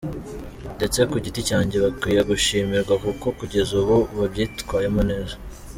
Ndetse ku giti cyanjye, bakwiye gushimirwa kuko kugeza ubu babyitwayemo neza.